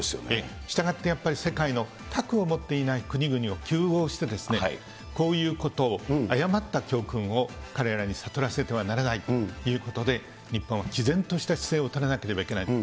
したがって、やっぱり世界の核を持っていない国々を糾合して、こういうことを、誤った教訓を彼らに悟らせてはならないということで、日本はきぜんとした姿勢を取らなければいけないと。